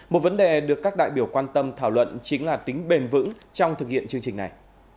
một vấn đề được các đại biểu quan tâm thảo luận chính là tính bền vững trong thực hiện chương trình này